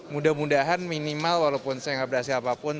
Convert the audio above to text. mudah mudahan minimal walaupun saya nggak berhasil apapun